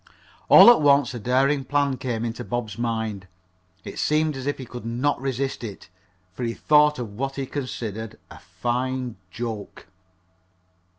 All at once a daring plan came into Bob's mind. It seemed as if he could not resist it, for he thought of what he considered a fine "joke."